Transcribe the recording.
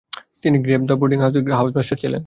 তিনি the Grove boarding হাউসের housemaster ছিলেন।